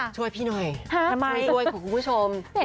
ช่วยพี่หน่อยช่วยช่วยกับคุณผู้ชม๕๖๐บาทค่ะทำเซ